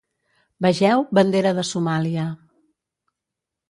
Vegeu, bandera de Somàlia.